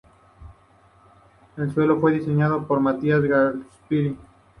El suelo fue diseñado por Matías Gasparini.